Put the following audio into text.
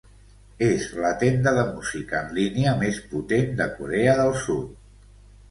És la tenda de música en línia més potent de Corea del Sud.